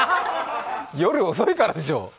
夜遅いからでしょう。